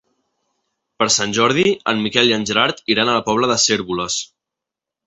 Per Sant Jordi en Miquel i en Gerard iran a la Pobla de Cérvoles.